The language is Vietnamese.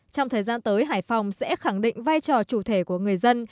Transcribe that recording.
trong thời gian tới hải phòng sẽ khẳng định vai trò chủ thể của người dân